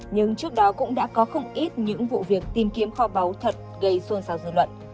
nhưng trước đó cũng đã có không ít những vụ việc tìm kiếm kho báu thật gây xôn xao dư luận